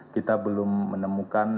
kita belum menemukan